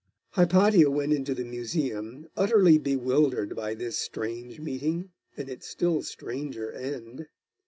Hypatia went on to the Museum, utterly bewildered by this strange meeting, and its still stranger end.